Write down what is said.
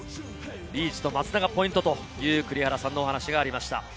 リーチと松田がポイントという栗原さんのお話がありました。